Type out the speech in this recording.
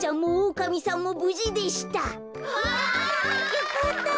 よかった。